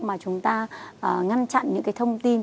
mà chúng ta ngăn chặn những cái thông tin